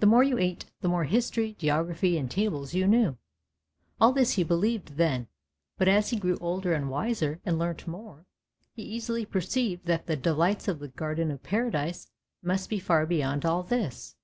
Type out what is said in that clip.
The more you ate, the more history, geography, and tables you knew. All this he believed then; but as he grew older and wiser and learnt more, he easily perceived that the delights of the Garden of Paradise must be far beyond all this.